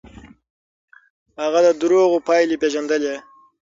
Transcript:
هغه د دروغو پايلې پېژندلې.